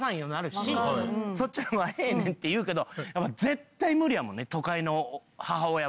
そっちの方がええねんって言うけど絶対無理やもんね都会の母親は。